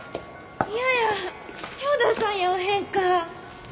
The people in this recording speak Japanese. いやや兵藤さんやおへんか。